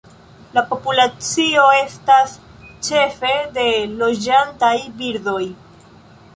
La populacio estas ĉefe de loĝantaj birdoj.